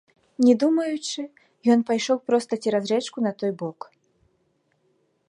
Не думаючы, ён пайшоў проста цераз рэчку на той бок.